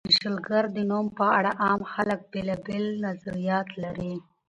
د شلګر د نوم په اړه عام خلک بېلابېل نظریات لري.